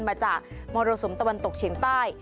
มาจากมรสุมตะวันตกเฉียงใต้